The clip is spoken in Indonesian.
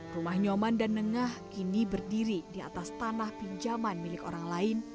rumah nyoman dan nengah kini berdiri di atas tanah pinjaman milik orang lain